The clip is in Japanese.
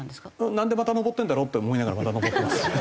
なんでまた登ってるんだろう？って思いながらまた登ってます。